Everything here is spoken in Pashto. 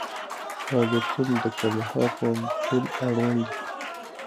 دا درسونه د کندهار پوهنتون اړوند دي.